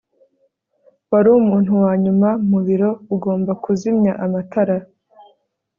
wari umuntu wa nyuma mu biro. ugomba kuzimya amatara